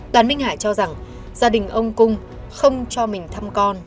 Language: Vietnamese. đoàn minh hải cho rằng gia đình ông cung không cho mình thăm con